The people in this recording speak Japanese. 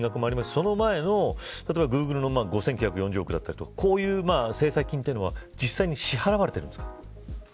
その前のグーグルの５９４５億円だったりこういう制裁金は実際に支払われているんですか。